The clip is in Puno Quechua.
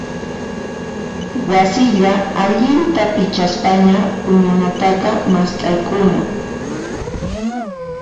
Wasilla allinta pichaspaña puñunataqa mast'aykuna.